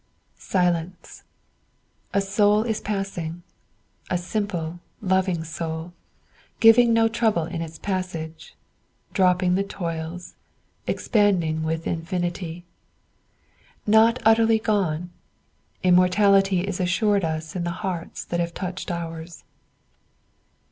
Silence. A soul is passing; a simple, loving soul, giving no trouble in its passage; dropping the toils, expanding with infinity. Not utterly gone; immortality is assured us in the hearts that have touched ours.